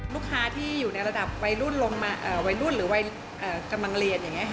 ลูกค้าที่อยู่ในระดับวัยรุ่นหรือกำลังเรียน